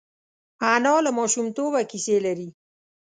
انا له ماشومتوبه کیسې لري